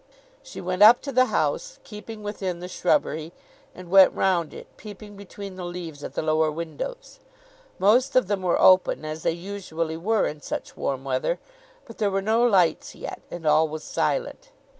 She went up to the house, keeping within the shrubbery, and went round it, peeping between the leaves at the lower windows. Most of them were open, as they usually were in such warm weather, but there were no lights yet, and all was silent.